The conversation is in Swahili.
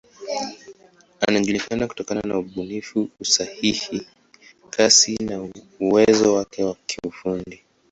Anajulikana kutokana na ubunifu, usahihi, kasi na uwezo wake wa kiufundi.